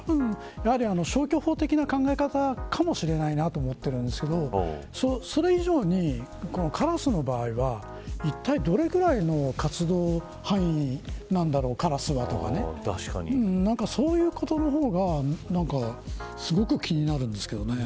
消去法的な考え方かもしれないなと思っているんですけどそれ以上に、カラスの場合はいったいどれぐらいの活動範囲なんだろうかとかそういうことの方がすごく気になるんですけどね。